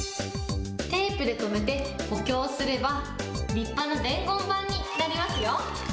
テープで止めて補強すれば、立派な伝言板になりますよ。